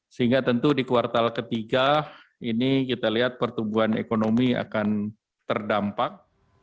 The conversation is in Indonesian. sehingga tentu di kuartal ketiga ini kita lihat pertumbuhan ekonomi akan terdampak